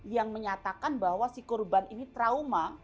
yang menyatakan bahwa si korban ini trauma